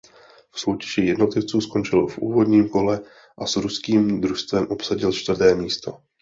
V soutěži jednotlivců skončil v úvodním kole a s ruským družstvem obsadil čtvrté místo.